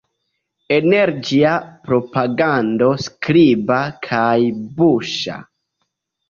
Energia propagando skriba kaj buŝa.